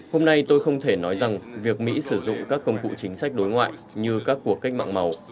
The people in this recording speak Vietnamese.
hôm nay tôi không thể nói rằng việc mỹ sử dụng các công cụ chính sách đối ngoại như các cuộc cách mạng màu